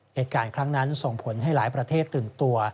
เหตุการณ์ครั้งนั้นส่งผลให้หลายประเทศตื่นตัว